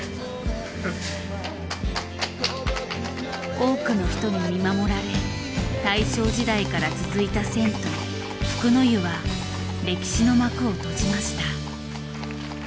多くの人に見守られ大正時代から続いた銭湯福の湯は歴史の幕を閉じました。